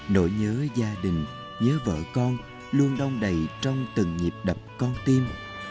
nỗi nhớ gia đình nhớ vợ con luôn đong đầy trong từng nhịp đập con tim